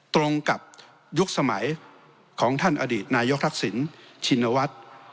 ตรงกับยุคสมัยของท่านอดีตนายกทักษิณชินวัฒน์